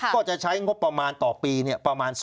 ก็จะใช้งบประมาณต่อปีเนี่ยประมาณ๒๑๐๐๐บาท